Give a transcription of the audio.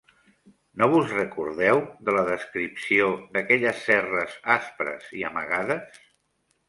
No vos recordeu de la descripció d'aquelles serres aspres i amagades?